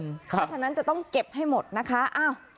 เพราะฉะนั้นจะต้องเก็บให้หมดนะคะ